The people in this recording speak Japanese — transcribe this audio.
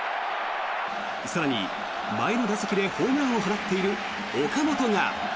更に前の打席でホームランを放っている岡本が。